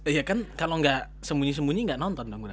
iya kan kalau gak sembunyi sembunyi gak nonton